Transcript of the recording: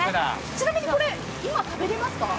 ちなみに、これ今、食べれますか？